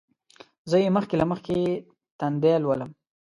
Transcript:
زه یې مخکې له مخکې تندی لولم.